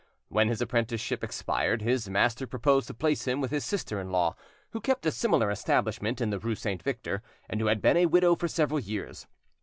When his apprenticeship expired, his master proposed to place him with his sister in law, who kept a similar establishment in the rue St. Victor, and who had been a widow for several years.